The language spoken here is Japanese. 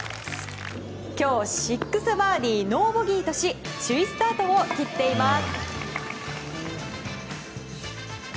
今日６バーディーノーボギーとし首位スタートを切っています。